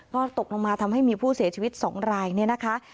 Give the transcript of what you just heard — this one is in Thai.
ก็ตกลงมาทำให้มีผู้เสียชีวิต๒รายเนี่ยนะคะ